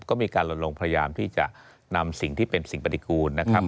ก็มีการลดลงพยายามที่จะนำสิ่งที่เป็นสิ่งปฏิกูลนะครับ